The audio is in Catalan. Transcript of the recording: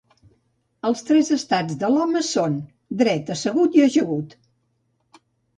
Els tres estats de l'home són: dret, assegut i ajagut.